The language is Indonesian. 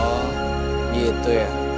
oh gitu ya